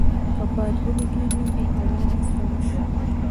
که باد ولګېږي نو هوا به سړه شي.